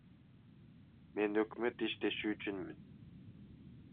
Мен өкмөт иштеши үчүнмүн.